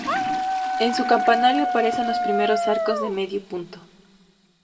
En su campanario aparecen los primeros arcos de medio punto.